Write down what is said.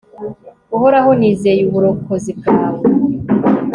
uhoraho, nizeye uburokozi bwawe